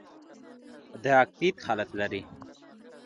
د اکتیت حالت لري.